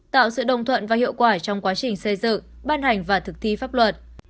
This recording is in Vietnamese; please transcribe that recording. tạo sự đồng thuận và hiệu quả trong quá trình xây dựng ban hành và thực thi pháp luật